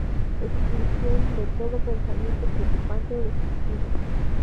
Expulsión de todo pensamiento preocupante o destructivo.